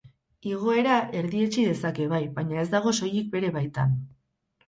Igoera erdietsi dezake bai, baina ez dago soilik bere baitan.